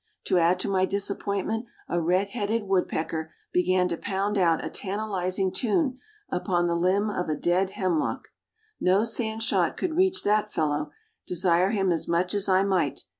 To add to my disappointment a red headed woodpecker began to pound out a tantalizing tune upon the limb of a dead hemlock. No sand shot could reach that fellow, desire him as much as I might.